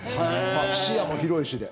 視野も広いしで。